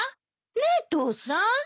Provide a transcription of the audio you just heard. ねえ父さん。